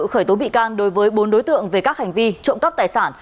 khởi tố bị can đối với bốn đối tượng về các hành vi trộm cắp tài sản